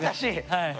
はい。